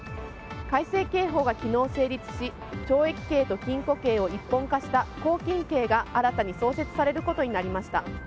改正刑法が昨日成立し懲役刑と禁錮刑を一本化した拘禁刑が新たに創設されることになりました。